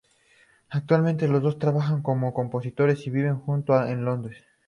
Actualmente los dos trabajan como compositores y viven juntos en Londres.